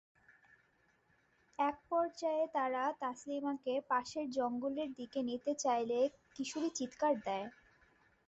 একপর্যায়ে তাঁরা তাসলিমাকে পাশের জঙ্গলের দিকে নিতে চাইলে কিশোরী চিৎকার দেয়।